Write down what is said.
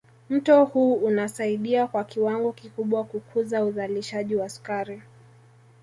Mto huu unasaidia kwa kiwango kikubwa kukuza uzalishaji wa sukari